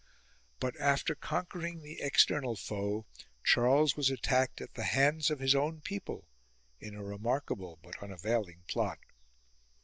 But, after conquering the external foe, Charles was attacked at the hands of his own people in a remark able but unavailing plot.